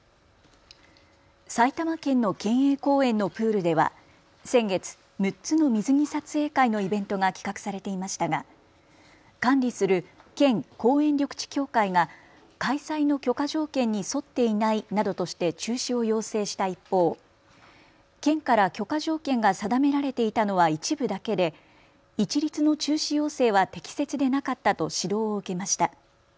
埼玉県の県営公園のプールでは先月、６つの水着撮影会のイベントが企画されていましたが管理する県公園緑地協会が開催の許可条件に沿っていないなどとして中止を要請した一方、県から許可条件が定められていたのは一部だけで一律の中止要請は適切でなかったと指導を受けました。